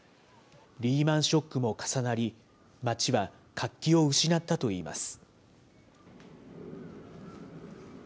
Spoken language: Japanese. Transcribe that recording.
リーマンショックも重なり、街は活気を失ったといいます。